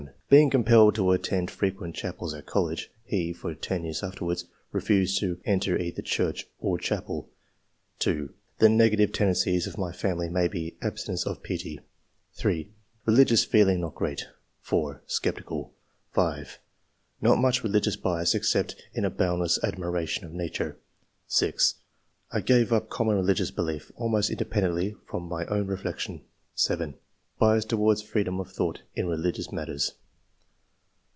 [Being compelled to attend freciuent chapels at college, he, for ten years afterwards, refused to enter either church or chapel]. 2. " The negative ten dencies of my family may be absence of piety ...." 3. " Religious feeling not great." 4. '* Sceptical." 5. "Not much religious bias ex c(,»pt in a boundless admiration of nature.'' 6. " I gave up common religious belief, almost independently from my own reflection." 7. "Bias towards freedom of thought in religious matters."